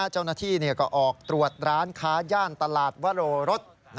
เจ้าหน้าที่ก็ออกตรวจร้านค้าย่านตลาดวโรรส